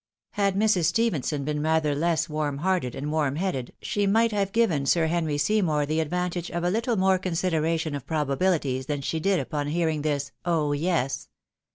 Had Mrs. Stephenson been rather less warm hearted and warm headed, she might have given Sir Henry Seymour the advantage of a httle more consideration of probabilities than she did upon hearing this " Oh ! yes."